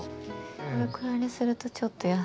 これくらいにするとちょっと優しいかな。